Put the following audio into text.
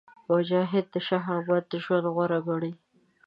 مجاهد د شهامت ژوند غوره ګڼي.